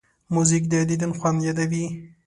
موزیک د دیدن خوند یادوي.